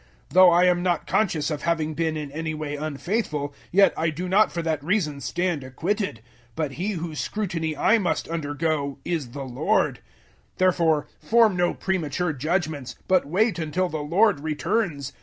004:004 Though I am not conscious of having been in any way unfaithful, yet I do not for that reason stand acquitted; but He whose scrutiny I must undergo is the Lord. 004:005 Therefore form no premature judgements, but wait until the Lord returns.